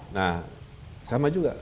nah sama juga